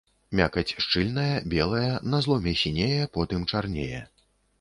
Мякаць шчыльная, белая, на зломе сінее, потым чарнее.